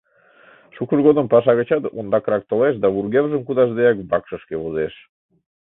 Шукыж годым паша гычат ондакрак толеш да вургемжым кудашдеак вакшышке возеш.